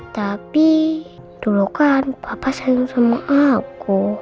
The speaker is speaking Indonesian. tapi dulu kan bapak sayang sama aku